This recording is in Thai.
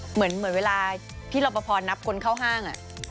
เหมือนเวลาพี่รอปภนับคนเข้าห้าง